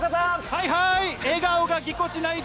はいはーい。